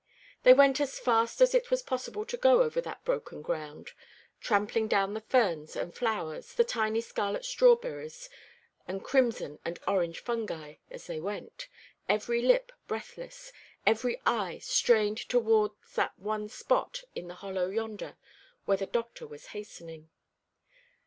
They went as fast as it was possible to go over that broken ground, trampling down the ferns and flowers, the tiny scarlet strawberries, and crimson and orange fungi, as they went, every lip breathless, every eye strained towards that one spot in the hollow yonder where the doctor was hastening.